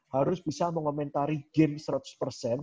harus bisa mengomentari game seratus persen